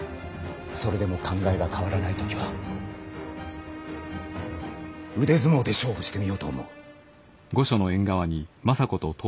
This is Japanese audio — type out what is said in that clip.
それでも考えが変わらない時は腕相撲で勝負してみようと思う。